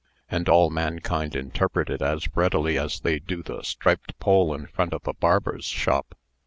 And all mankind interpret it as readily as they do the striped pole in front of a barber's shop."